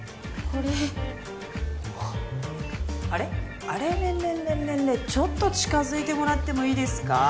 あれれれれれれちょっと近づいてもらってもいいですか？